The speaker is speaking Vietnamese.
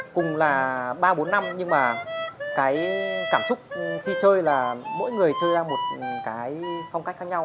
cùng là ba bốn năm nhưng mà cái cảm xúc khi chơi là mỗi người chơi ra một cái phong cách khác nhau